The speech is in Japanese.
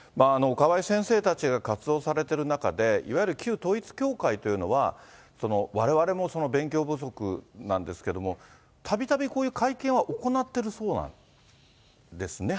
川井先生たちが活動されてる中で、いわゆる旧統一教会というのは、われわれも勉強不足なんですけれども、たびたびこういう会見は行ってるそうなんですね？